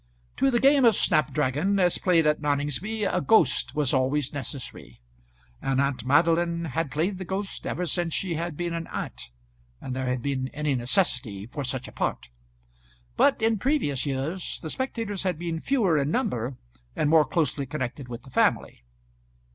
To the game of snap dragon, as played at Noningsby, a ghost was always necessary, and aunt Madeline had played the ghost ever since she had been an aunt, and there had been any necessity for such a part. But in previous years the spectators had been fewer in number and more closely connected with the family.